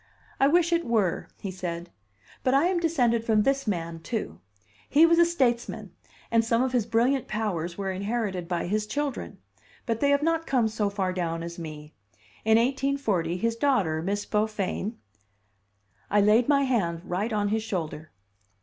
"I wish it were," he said; "but I am descended from this man, too. He was a statesman, and some of his brilliant powers were inherited by his children but they have not come so far down as me. In 1840, his daughter, Miss Beaufain " I laid my hand right on his shoulder.